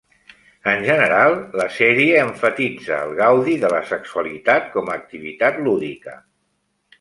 En general, la sèrie emfatitza el gaudi de la sexualitat com a activitat lúdica.